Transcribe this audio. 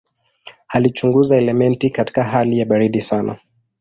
Alichunguza elementi katika hali ya baridi sana.